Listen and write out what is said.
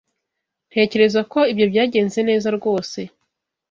Ntekereza ko ibyo byagenze neza rwose.